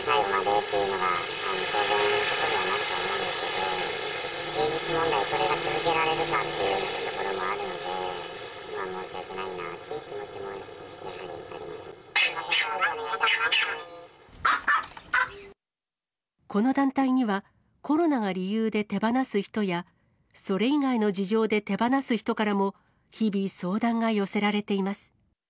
すみません、よろしくお願いしまこの団体には、コロナが理由で手放す人や、それ以外の事情で手放す人からも日々、相談が寄せられています。